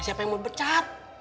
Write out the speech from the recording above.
siapa yang mau pecat